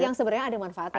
yang sebenarnya ada manfaatnya